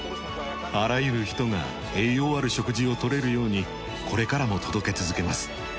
あらゆる人が栄養ある食事を取れるようにこれからも届け続けます。